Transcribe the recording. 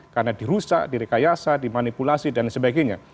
karena dirusak direkayasa dimanipulasi dan sebagainya